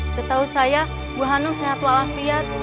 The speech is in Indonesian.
setahu saya ibu hanum sehat walafiat